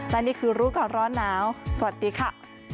และนี่คือรู้ก่อนร้อนหนาวสวัสดีค่ะ